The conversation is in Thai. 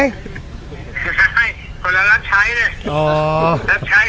ไม่คนเรารับใช้เลย